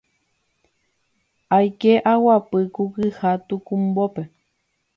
aike aguapy ku kyha tukumbópe